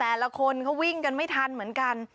แต่ละคนเขาวิ่งกันไม่ทันเหมือนกัน